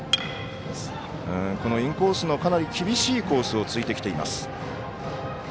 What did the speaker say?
インコースの厳しいコースをついてきています。